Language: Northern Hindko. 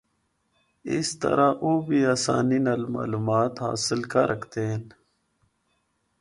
اسطرح او بھی آسانی نال معلومات حاصل کر ہکدے ہن۔